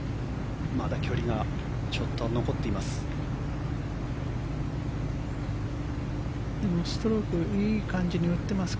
まだ距離がちょっと残っています。